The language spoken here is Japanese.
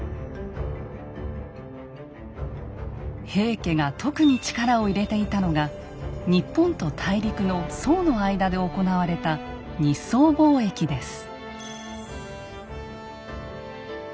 平家が特に力を入れていたのが日本と大陸の宋の間で行われた日宋貿易です。